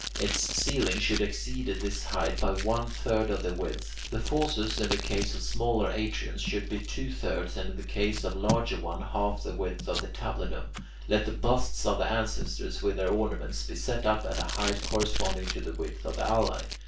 Its ceiling should exceed this height by one third of the width. The fauces in the case of smaller atriums should be two thirds, and in the case of larger one half the width of the tablinum. Let the busts of ancestors with their ornaments be set up at a height corresponding to the width of the alae.